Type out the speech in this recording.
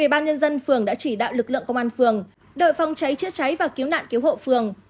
bộ công an phường đội phòng cháy chữa cháy và cứu nạn cứu hộ phường